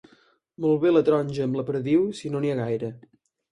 Molt bé la taronja amb la perdiu, si no n'hi ha gaire.